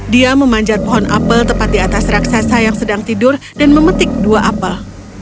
dia memanjat pohon apel tepat di atas raksasa yang sedang tidur dan memetik dua apel